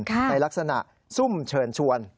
ในลักษณะซุ่มเชิญชวน